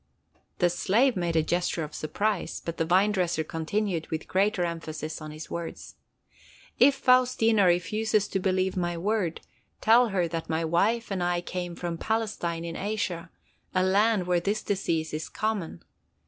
The slave made a gesture of surprise, but the vine dresser continued with greater emphasis on his words. "If Faustina refuses to believe my word, tell her that my wife and I came from Palestine, in Asia, a land where this disease is common.